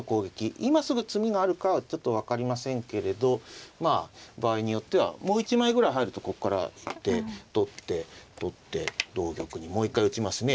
今すぐ詰みがあるかはちょっと分かりませんけれどまあ場合によってはもう一枚ぐらい入るとここから打って取って取って同玉にもう一回打ちますね。